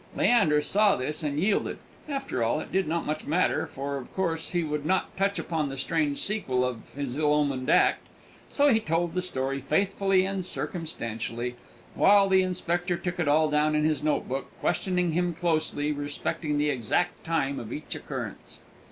Leander saw this and yielded. After all, it did not much matter, for of course he would not touch upon the strange sequel of his ill omened act; so he told the story faithfully and circumstantially, while the inspector took it all down in his note book, questioning him closely respecting the exact time of each occurrence.